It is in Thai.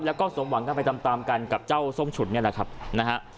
แล้วก็สมหวังกันไปตามตามกันกับเจ้าส้มฉุนเนี่ยแหละครับนะฮะ